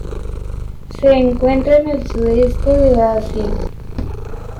Se encuentra en el sudeste de Asia.